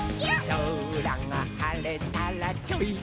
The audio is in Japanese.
「そらがはれたらちょいとむすび」